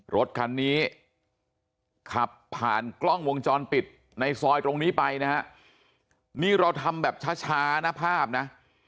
รถคันนี้ขับผ่านกล้องวงจรปิดในซอยตรงนี้ไปนะฮะนี่เราทำแบบช้านะภาพนะ